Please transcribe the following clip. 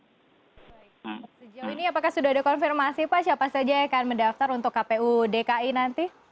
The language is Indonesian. sejauh ini apakah sudah ada konfirmasi pak siapa saja yang akan mendaftar untuk kpu dki nanti